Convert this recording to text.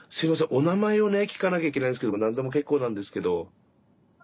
お名前をね聞かなきゃいけないんですけども何でも結構なんですけど。